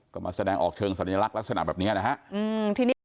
ก็มาแสดงออกเชิงสัญลักษณ์ลักษณะแบบนี้นะฮะ